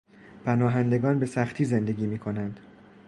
پناهندگان به سختی زندگی می کنند.